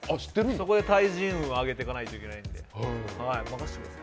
そこで対人運を上げていかないといけないので、任せてください。